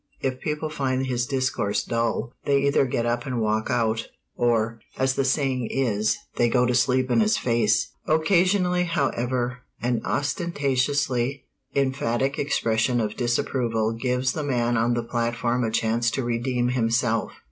If people find his discourse dull, they either get up and walk out, or, as the saying is, they "go to sleep in his face." [Illustration: "The lecturer must deliver the goods!"] Occasionally, however, an ostentatiously emphatic expression of disapproval gives the man on the platform a chance to redeem himself.